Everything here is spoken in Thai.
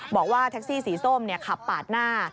บอกว่าแท็กซี่สีส้มขับปาดหน้า